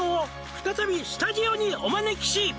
「再びスタジオにお招きし」